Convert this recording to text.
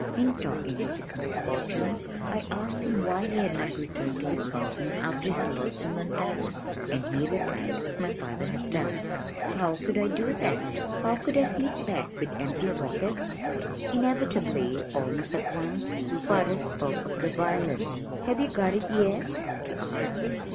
In talking of his misfortunes, I asked him why he had not returned to Wisconsin after his loss in Montana, and he replied, as my father had done. "How could I do that? How could I sneak back with empty pockets?" Inevitably, almost at once, father spoke of the violin. "Have you got it yet?" he asked.